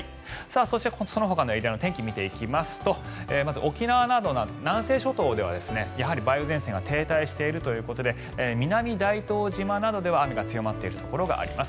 そして、そのほかのエリアの天気見ていきますとまず沖縄など南西諸島では梅雨前線が停滞しているということで南大東島などでは雨が強まっているところがあります。